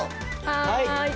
はい！